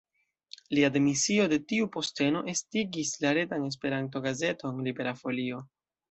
Lia demisio de tiu posteno estigis la retan Esperanto-gazeton Libera Folio.